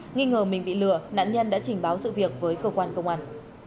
nghĩ ngờ mình bị lừa nạn nhân đã trình báo sự việc với cơ quan công an